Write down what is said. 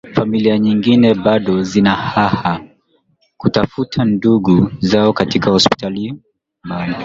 familia nyingine bado zina haha kutafuta ndugu zao katika hospitali mba